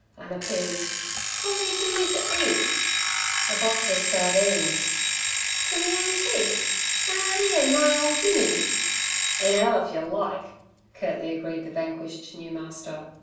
unappeased. 'W'at'll yer gimme ter eat?' 'A box ov sardines.' 'Ter me own cheek? an' out 'ere nigh ole Jimmy?' 'In 'ell if yer like' curtly agreed the vanquished new master.